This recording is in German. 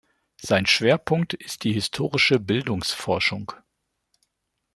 Sein Schwerpunkt ist die Historische Bildungsforschung.